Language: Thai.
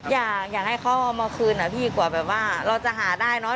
อยากให้เขาเอามาคืนอะพี่กว่าแบบว่าเราจะหาได้เนอะ